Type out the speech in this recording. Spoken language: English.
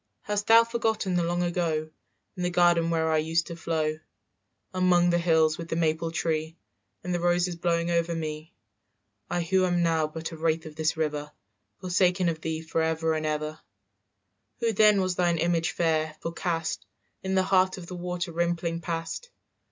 "Hast thou forgotten the long ago In the garden where I used to flow, "Among the hills, with the maple tree And the roses blowing over me? "I who am now but a wraith of this river, Forsaken of thee forever and ever, "Who then was thine image fair, forecast In the heart of the water rimpling past.